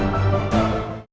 tidak ada waktu